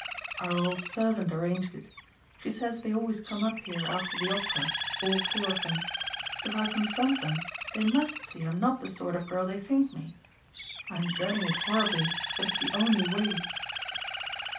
"Our old servant arranged it. She says they always come up here after the opera, all four of them. If I confront them they must see I'm not the sort of girl they think me. I'm dreading it horribly but it's the only way."